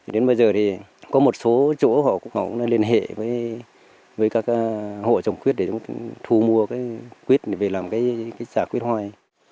đến bây giờ thì có một số chỗ họ cũng liên hệ với các hộ trồng quýt để chúng ta thu mua cái quýt để làm cái giả quýt hoi